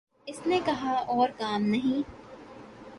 اس نے کہا اور کام نہیں